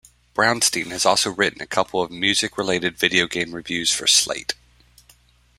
Brownstein has also written a couple of music-related video game reviews for "Slate".